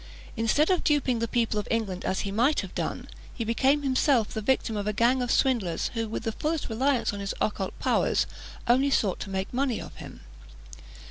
Instead of duping the people of England, as he might have done, he became himself the victim of a gang of swindlers, who, with the fullest reliance on his occult powers, only sought to make money of him.